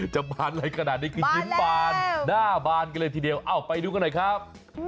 บานอะไรขนาดนี้คือยิ้มบานหน้าบานกันเลยทีเดียวเอ้าไปดูกันหน่อยครับ